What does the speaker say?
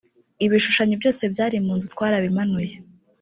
ibishushanyo byose byari mu nzu twarabimanuye